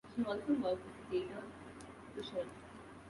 She also worked as a theater usherette.